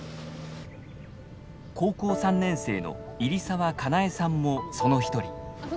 高校３年生の入澤佳苗さんもその一人。